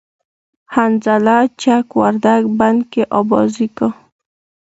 حنظله چک وردگ بند کی آبازی کا